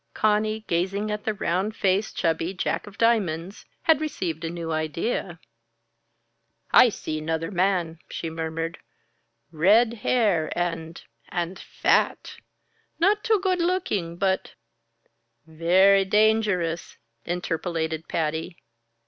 Conny, gazing at the round faced, chubby Jack of Diamonds, had received a new idea. "I see 'nother man," she murmured. "Red hair and and fat. Not too good looking but " "Very dangerous!" interpolated Patty.